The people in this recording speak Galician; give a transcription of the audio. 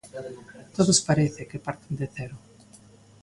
Todos parece que parten de cero.